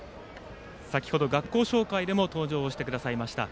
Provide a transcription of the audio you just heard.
先程、学校紹介でも登場してくださいました。